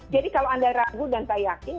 jadi kalau anda ragu dan tak yakin